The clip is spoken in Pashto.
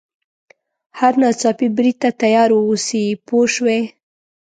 هر ناڅاپي برید ته تیار واوسي پوه شوې!.